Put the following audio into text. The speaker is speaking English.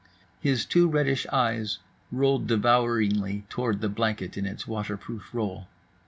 His two reddish eyes rolled devouringly toward the blanket in its waterproof roll.